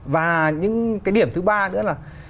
và những cái điểm thứ ba nữa là